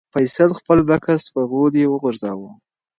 فیصل خپل بکس په غولي وغورځاوه.